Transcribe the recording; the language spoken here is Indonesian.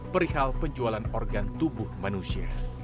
perihal penjualan organ tubuh manusia